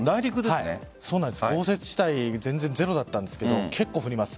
豪雪地帯全然ゼロだったんですが結構降ります。